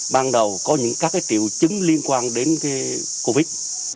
ban đầu có những các triệu chứng liên quan đến covid